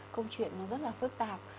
công chuyện nó rất là phức tạp